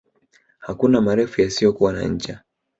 Hakuna marefu yasiyokuwa na ncha